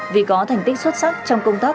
vì có thành tích xuất sắc trong công tác